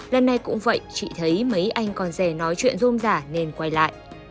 lần này cũng vậy chị thấy mấy anh con rẻ nói chuyện rôm rả nên quay lại